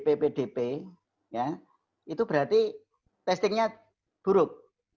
pdp pdp ya itu berarti testingnya buruk